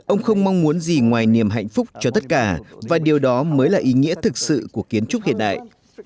ông không mong muốn gì ngoài niềm hạnh phúc cho tất cả và điều đó mới là ý nghĩa thực sự của kiến trúc hiện đại